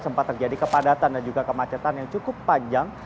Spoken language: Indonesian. sempat terjadi kepadatan dan juga kemacetan yang cukup panjang